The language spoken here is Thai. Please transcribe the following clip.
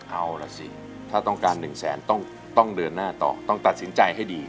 เอาล่ะสิถ้าต้องการ๑แสนต้องเดินหน้าต่อต้องตัดสินใจให้ดี